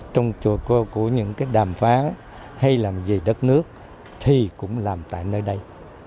trong những đàm phán hay làm gì đất nước thì cũng làm tại nơi đây